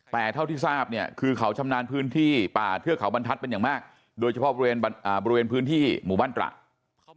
แต่เท่าที่ทราบเนี่ยคือเขาชำนาญพื้นที่ป่าเทือกเขาบรรทัศน์เป็นอย่างมากโดยเฉพาะบริเวณพื้นที่หมู่บ้านตระ